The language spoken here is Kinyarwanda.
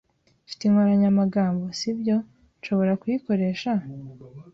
Ufite inkoranyamagambo, si byo? Nshobora kuyikoresha?